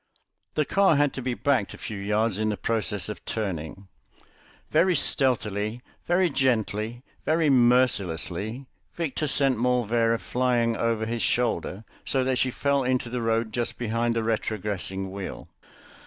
The car had to be backed a few yards in the process of turning. Very stealthily, very gently, very mercilessly Victor sent Morlvera flying over his shoulder, so that she fell into the road just behind the retrogressing wheel.